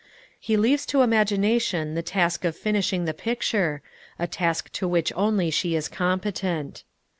He leaves to imagination the task of finishing the picture, a task to which only she is competent.